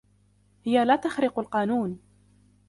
هىَ لا تخرق القانون.